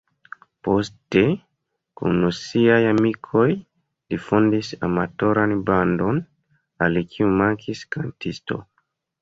Poste, kun siaj amikoj, li fondis amatoran bandon, al kiu mankis kantisto.